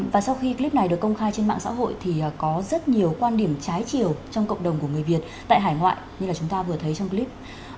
và sau khi clip này được công khai trên mạng xã hội thì có rất nhiều quan điểm trái chiều trong cộng đồng của người việt tại hải ngoại như là chúng ta vừa thấy trong clip